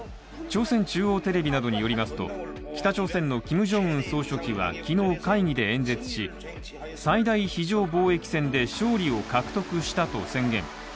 朝鮮中央テレビなどによりますと北朝鮮のキム・ジョンウン総書記は昨日、会議で演説し最大非常防疫戦で勝利を獲得したと宣言。